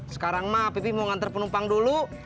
sekarang emak pipi mau nganter penumpang dulu